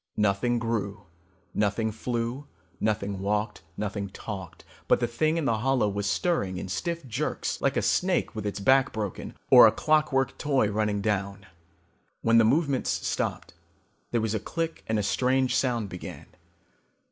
Nothing grew, nothing flew, nothing walked, nothing talked. But the thing in the hollow was stirring in stiff jerks like a snake with its back broken or a clockwork toy running down. When the movements stopped, there was a click and a strange sound began.